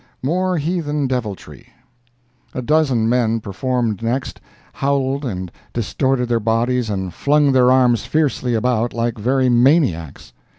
MORE HEATHEN DEVILTRY A dozen men performed next—howled and distorted their bodies and flung their arms fiercely about, like very maniacs.